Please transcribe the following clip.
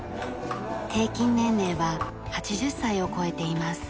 平均年齢は８０歳を超えています。